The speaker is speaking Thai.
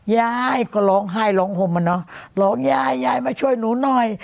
ยายก็ร้องไห้ร้องห่มอ่ะเนอะร้องยายยายมาช่วยหนูหน่อย